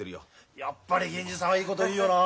やっぱり銀次さんはいいこと言うよな。